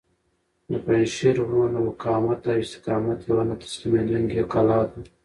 د پنجشېر غرونه د مقاومت او استقامت یوه نه تسلیمیدونکې کلا ده.